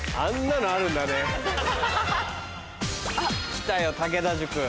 来たよ武田塾。